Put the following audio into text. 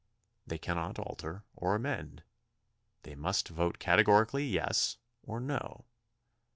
They cannot alter or amend. They must vote categorically "yes" or "no."